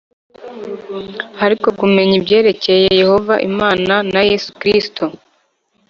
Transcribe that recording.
Ariko kumenya ibyerekeye Yehova Imana na Yesu Kristo